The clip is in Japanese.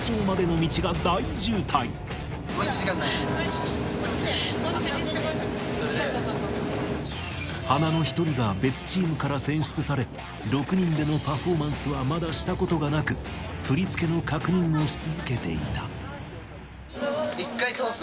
しかしなんとはなの１人が別チームから選出され６人でのパフォーマンスはまだしたことがなく振り付けの確認をし続けていた１回通す？